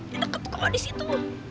deket kok lo di situ